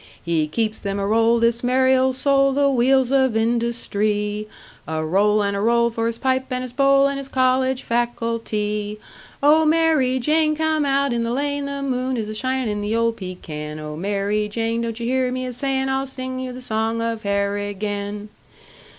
"He keeps them a roll, this merry old soul The wheels of industree; A roll and a roll, for his pipe and his bowl And his college facultee! "Oh, Mary Jane, come out in the lane, The moon is a shinin' in the old pecan; Oh, Mary Jane, don't you hear me a sayin' I'll sing you the song of Harrigan!